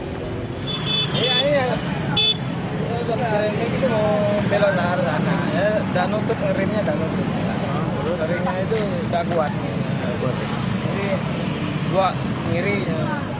kecelakaan berawal saat truk yang melaju dari arah timur berusaha mendahului mobil yang ada di depannya